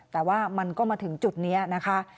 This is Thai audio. แต่ว่ามันก็มาถึงจุดนี้นะคะ